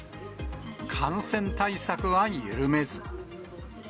感染対策は緩めず。